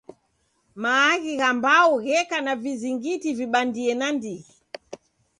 Maaghi gha mbau gheka na vizingiti vibandie nandighi.